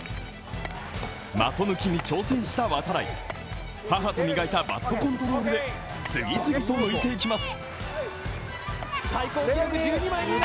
的抜きに挑戦した度会、母と磨いたバットコントロールで次々と抜いていきます。